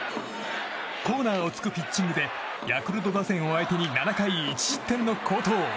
コーナーを突くピッチングでヤクルト打線を相手に７回１失点の好投。